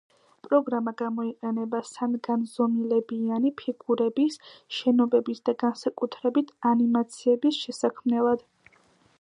პროგრამა გამოიყენება სამგანზომილებიანი ფიგურების, შენობების და განსაკუთრებით ანიმაციების შესაქმნელად.